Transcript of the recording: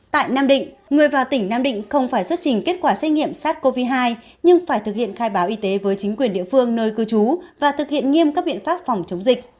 tại nam định người vào tỉnh nam định không phải xuất trình kết quả xét nghiệm sars cov hai nhưng phải thực hiện khai báo y tế với chính quyền địa phương nơi cư trú và thực hiện nghiêm các biện pháp phòng chống dịch